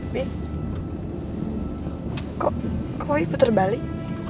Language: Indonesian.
bin kok wi puter balik